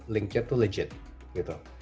linknya itu legit gitu